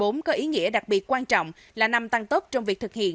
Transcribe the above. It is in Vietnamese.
năm hai nghìn hai mươi bốn có ý nghĩa đặc biệt quan trọng là năm tăng tốc trong việc thực hiện